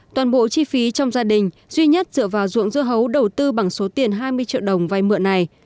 toàn bộ chi phí trong gia đình duy nhất dựa vào ruộng dưa hấu đầu tư bằng số tiền hai mươi triệu đồng vay mượn này